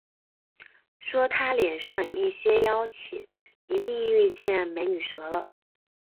说他脸上有些妖气，一定遇见“美女蛇”了